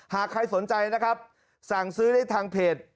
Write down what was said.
หากใครสนใจนะครับสั่งซื้อได้ทางเพจ